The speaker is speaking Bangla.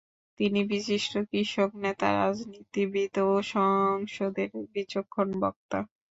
তিনি বিশিষ্ট কৃষক নেতা, রাজনীতিবিদ ও সংসদের বিচক্ষণ বক্তা।